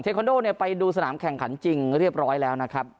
คอนโดเนี่ยไปดูสนามแข่งขันจริงเรียบร้อยแล้วนะครับ